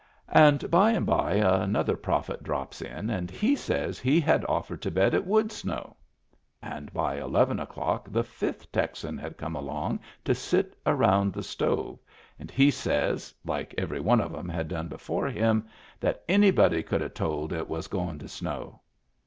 And bye and bye another prophet drops in, and he says he had offered to bet it would snow. And by eleven o'clock the fifth Texan had come along to sit around the stove; and he says — like every one of 'em had done before him — that any body could have told it was goin' to snow.